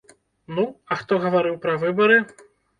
Ну, а хто гаварыў пра выбары?